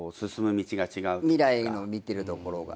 未来の見てるところが。